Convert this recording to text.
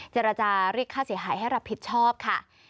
เจรจาเรียกค่าเสียหายให้รับผิดชอบค่ะ